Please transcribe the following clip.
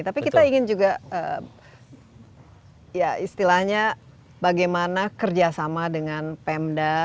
tapi kita ingin juga ya istilahnya bagaimana kerjasama dengan pemda